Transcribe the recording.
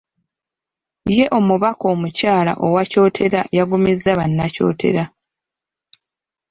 Ye omubaka omukyala owa Kyotera yagumizza Bannakyotera.